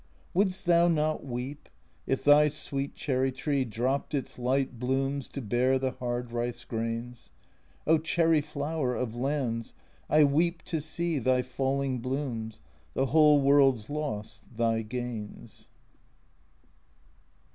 Wouldst thou not weep if thy sweet cherry tree Dropped its light blooms to bear the hard rice grains ? O cherry flower of lands ! I weep to see Thy falling blooms. The whole World's loss, thy " gains."